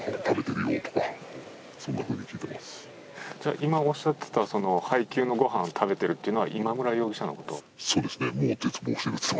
今おっしゃっていた配給のご飯を食べているというのは今村容疑者のこと？